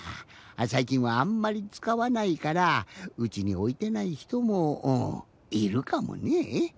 さいきんはあんまりつかわないからうちにおいてないひともいるかもねえ。